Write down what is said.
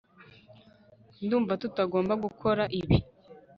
ndumva tutagomba gukora ibi